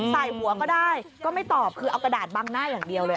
ใส่หัวก็ได้ก็ไม่ตอบคือเอากระดาษบังหน้าอย่างเดียวเลย